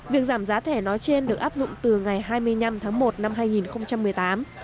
việc giảm giá thẻ nói trên được áp dụng từ ngày hai mươi năm tháng một năm hai nghìn một mươi tám